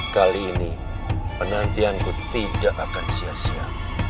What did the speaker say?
kali ini penantianku tidak akan sia sia